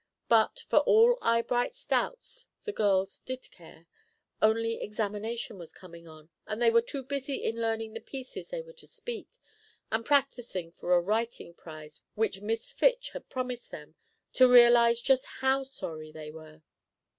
But for all Eyebright's doubts, the girls did care, only Examination was coming on, and they were too busy in learning the pieces they were to speak, and practising for a writing prize which Miss Fitch had promised them, to realize just then how sorry they were.